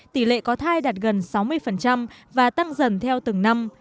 tỷ lệ có thai đạt gần sáu mươi và tăng dần theo từng năm